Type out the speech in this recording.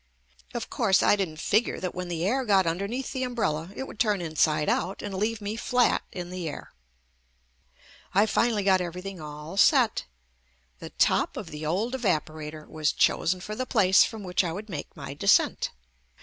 Of course, I didn't figure that when the air got underneath the umbrella it would turn inside out and leave me flat in the air. I finally got JUST ME everything all set. The top of the old evapo rator was chosen for the place from which I would make my descent.